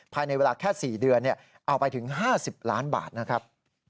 ภายในเวลาแค่๔เดือนเอาไปถึง๕๐ล้านบาทนะครับ